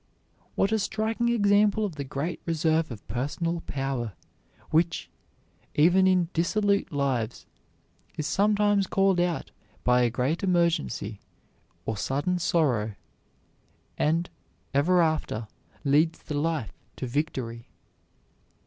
What a striking example of the great reserve of personal power, which, even in dissolute lives, is sometimes called out by a great emergency or sudden sorrow, and ever after leads the life to victory!